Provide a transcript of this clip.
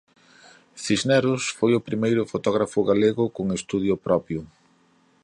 Cisneros foi o primeiro fotógrafo galego con estudio propio.